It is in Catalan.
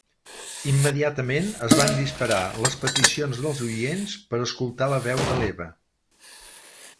Immediatament es van disparar les peticions dels oients per escoltar la veu de l'Eva.